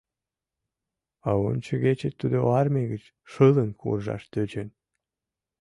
А ончыгече тудо армий гыч шылын куржаш тӧчен.